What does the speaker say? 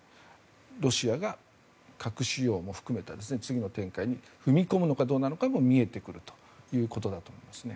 ロシアが核使用も含めた次の展開まで踏み込むのかどうかまで見えてくるということだと思いますね。